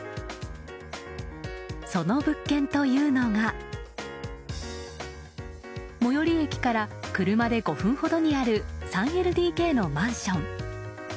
その物件というのが最寄駅から車で５分ほどにある３ＬＤＫのマンション。